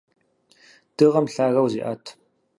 Дыгъэм лъагэу зеӀэт.